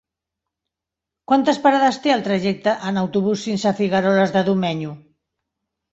Quantes parades té el trajecte en autobús fins a Figueroles de Domenyo?